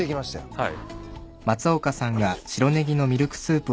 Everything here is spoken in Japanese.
はい。